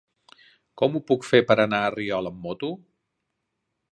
Com ho puc fer per anar a Riola amb moto?